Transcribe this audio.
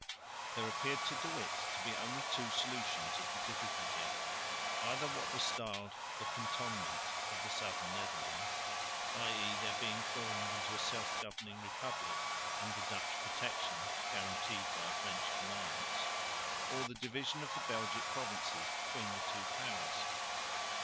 There appeared to De Witt to be only two solutions of the difficulty. Either what was styled "the cantonment" of the southern Netherlands, i.e. their being formed into a self governing republic under Dutch protection guaranteed by a French alliance, or the division of the Belgic provinces between the two powers.